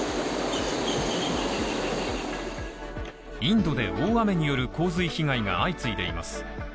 インドで大雨による洪水被害が相次いでいます。